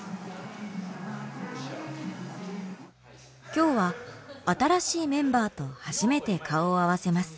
きょうは新しいメンバーと初めて顔を合わせます。